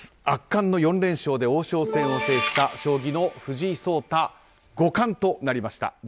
圧巻の４連勝で王将戦を制した将棋の藤井聡太五冠となりました。